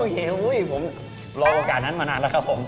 โอ้โหผมรอโอกาสนั้นมานานแล้วครับผม